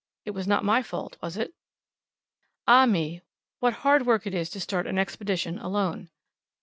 It was not my fault, was it? Ah, me! what hard work it is to start an expedition alone!